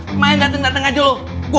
kemain dateng dateng aja lo